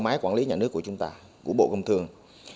bộ máy quản lý nhà nước của chúng ta của bộ công thương